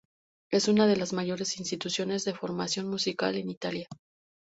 Es una de las mayores instituciones de formación musical en Italia.